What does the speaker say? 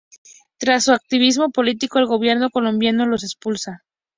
Tras su activismo político, el Gobierno colombiano los expulsa.